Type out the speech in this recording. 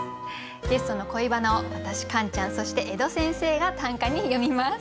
ゲストの恋バナを私カンちゃんそして江戸先生が短歌に詠みます。